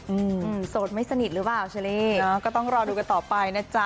อืมโสดไม่สนิทหรือเปล่าเชอรี่เนอะก็ต้องรอดูกันต่อไปนะจ๊ะ